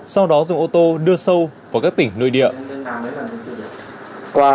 sau đó dùng ô tô đưa sâu vào các tỉnh nơi địa